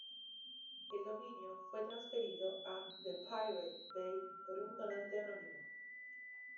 El dominio fue transferido a The Pirate Bay por un donante anónimo.